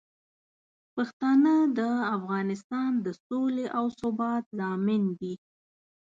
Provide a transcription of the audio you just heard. پښتانه د افغانستان د سولې او ثبات ضامن دي.